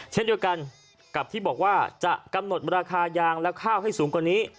เช่นเดียวกันกับที่บอกว่าจะกำหนดราคายางและข้าวให้สูงกว่านี้